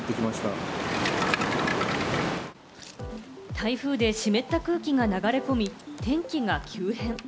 台風で湿った空気が流れ込み、天気が急変。